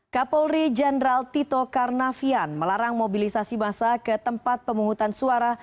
kapolri jenderal tito karnavian melarang mobilisasi massa ke tempat pemungutan suara